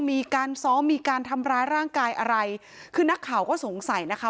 มีการซ้อมมีการทำร้ายร่างกายอะไรคือนักข่าวก็สงสัยนะคะ